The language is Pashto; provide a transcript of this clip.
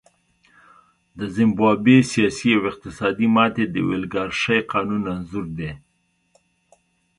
د زیمبابوې سیاسي او اقتصادي ماتې د اولیګارشۍ قانون انځور دی.